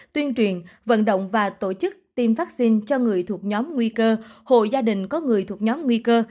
tuyên truyền vận động và tổ chức tiêm vaccine cho người thuộc nhóm nguy cơ hội gia đình có người thuộc nhóm nguy cơ